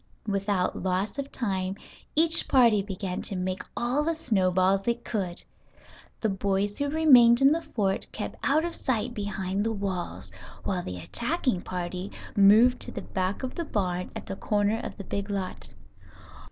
Without loss of time each party began to make all the snowballs it could. The boys who remained in the fort kept out of sight behind the walls, while the attacking party moved to the back of the barn at the corner of the big lot.